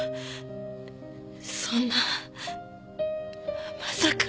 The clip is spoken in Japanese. そんなまさか。